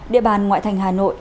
địa bàn ngoại thành hà nội